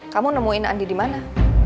kamu nemuin andi di mana